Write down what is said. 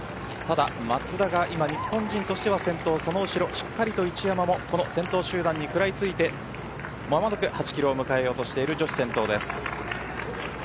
松田が日本人としては先頭で一山も先頭集団に食らいついて間もなく８キロを迎えようとしている女子の先頭集団です。